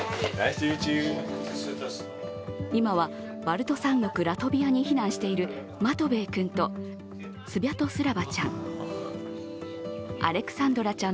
今はバルト三国ラトビアに避難しているマトベイ君とスビャトスラバちゃん。